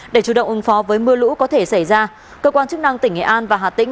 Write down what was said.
để chủ động ứng phó với mưa lũ có thể xảy ra cơ quan chức năng tỉnh nghệ an và hà tĩnh